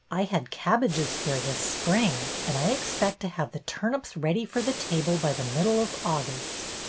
I had cab bages there this spring, and I expect to have the turnips ready for the table by the middle of August.